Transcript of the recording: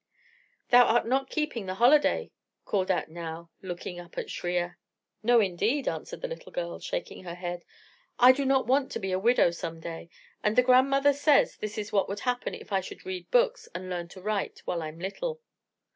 "Thou art not keeping the holiday," called out Nao, looking up at Shriya. "No, indeed," answered the little girl, shaking her head. "I do not want to be a widow some day; and the grandmother says this is what would happen if I should read books and learn to write while I'm little."